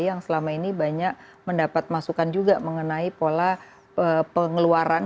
yang selama ini banyak mendapat masukan juga mengenai pola pengeluaran